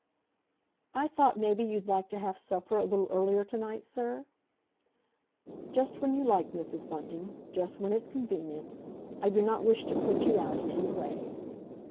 "I thought maybe you'd like to have supper a little earlier to night, sir?" "Just when you like, Mrs. Bunting—just when it's convenient. I do not wish to put you out in any way."